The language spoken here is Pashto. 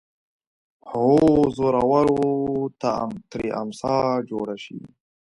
هو زورور ته ترې امسا جوړه شي